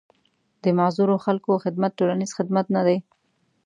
د معذورو خلکو خدمت ټولنيز خدمت نه دی.